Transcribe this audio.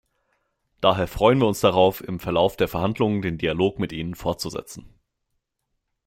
Daher freuen wir uns darauf, im Verlauf der Verhandlungen den Dialog mit Ihnen fortzusetzen.